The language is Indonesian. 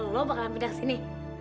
lo bakalan pindah kesini